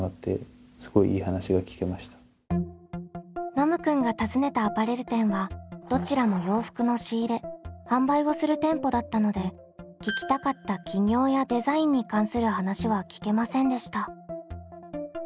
ノムくんが訪ねたアパレル店はどちらも洋服の仕入れ販売をする店舗だったので聞きたかった起業やデザインに関する話は聞けませんでした。